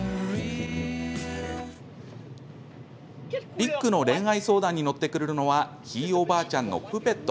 ビックの恋愛相談に乗ってくれるのはひいおばあちゃんのプペット。